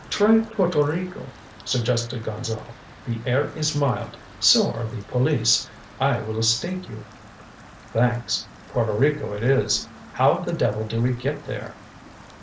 "Try Porto Rico," suggested Gonzale. "The air is mild so are the police. I will stake you." "Thanks. Porto Rico it is. How the devil do we get there?"